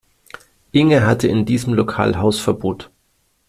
Inge hatte in diesem Lokal Hausverbot